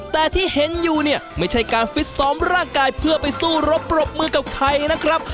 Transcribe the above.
แต่ที่เห็นอยู่เนี่ยไม่ใช่การฟิตซ้อมร่างกายเพื่อไปสู้รบปรบมือกับใครนะครับ